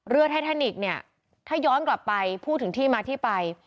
ไททานิกเนี่ยถ้าย้อนกลับไปพูดถึงที่มาที่ไป